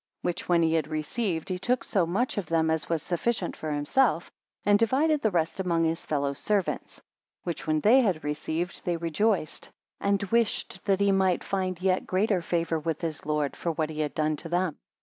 20 Which when he had received, he took so much of them as was sufficient for himself, and divided the rest among his fellow servants. 21 Which when they had received, they rejoiced; and wished that he might find yet greater favour with his lord, for what he had done to them.